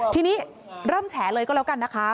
ทีนี้เริ่มแฉเลยก็แล้วกันนะคะ